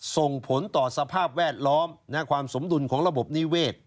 ส่งผลต่อสภาพแวดล้อมความสมดุลของระบบนิเวศ